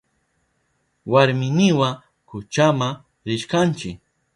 Warminiwa kuchama rishkanchi.